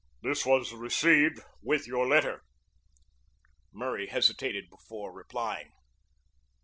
"This was received with your letter." Murray hesitated before replying.